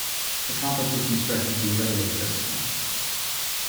The complex was constructed to be readily accessible.